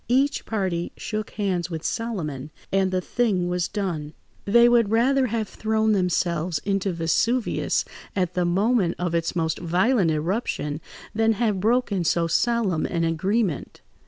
Each party shook hands with Solomon, and the thing was done. They would rather have thrown themselves into Vesuvius at the moment of its most violent eruption than have broken so solemn an agreement.